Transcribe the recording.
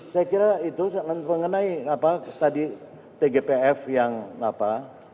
saya kira itu mengenai tadi tgpf yang apa